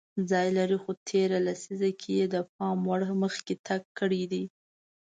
ځای لري خو تېره لیسزه کې یې د پام وړ مخکې تګ کړی دی